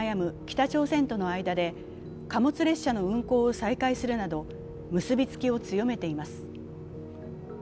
北朝鮮との間で貨物列車の運行を再開するなど結びつきを強めています。